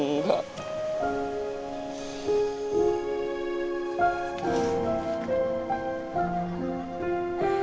pohon aja ada temennya